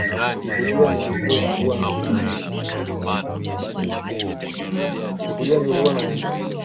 Sikujua nilikokuwa naenda